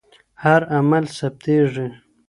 هر عمل ثبتېږي.